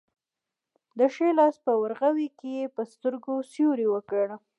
د ښي لاس په ورغوي کې یې په سترګو سیوری وکړ.